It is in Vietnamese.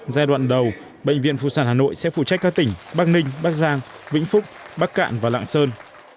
giai đoạn đầu bệnh viện phụ sản hà nội sẽ phụ trách các tỉnh bắc ninh bắc giang vĩnh phúc bắc cạn và lạng sơn